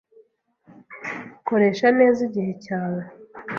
Koresha neza igihe cyawe.